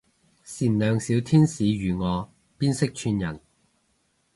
善良小天使如我邊識串人